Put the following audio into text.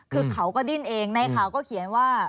คือเขาก็ดิ้นเองในข่าวก็เขียนว่า